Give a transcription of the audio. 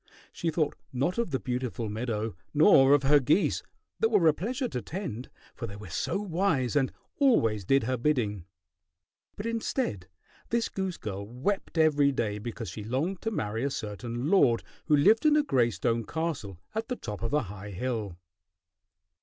She thought not of the beautiful meadow nor of her geese that were a pleasure to tend, for they were so wise and always did her bidding; but instead this goose girl wept every day because she longed to marry a certain lord who lived in a gray stone castle at the top of a high hill.